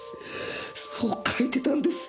そう書いてたんです。